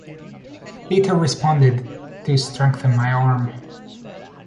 Leiter responded, To strengthen my arm.